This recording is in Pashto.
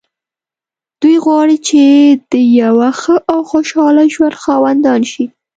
دوی غواړي چې د يوه ښه او خوشحاله ژوند خاوندان شي.